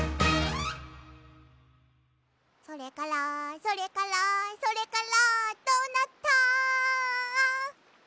「それからそれからそれから」